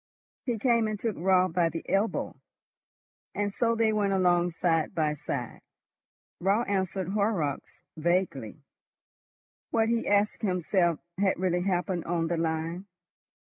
He came and took Raut by the elbow, and so they went along side by side. Raut answered Horrocks vaguely. What, he asked himself, had really happened on the line?